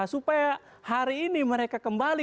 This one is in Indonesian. supaya hari ini mereka kembali